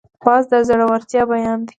باز د زړورتیا بیان دی